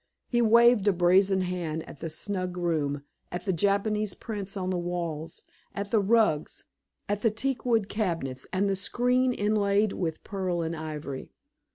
He waved a brazen hand at the snug room, at the Japanese prints on the walls, at the rugs, at the teakwood cabinets and the screen inlaid with pearl and ivory.